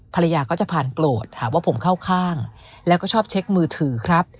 ภรรยาก็จะผ่านโกรธหาว่าผมเข้าข้างแล้วก็ชอบเช็คมือถือครับ